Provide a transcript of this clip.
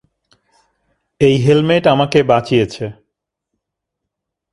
এই হেলমেট আমাকে বাঁচিয়েছে।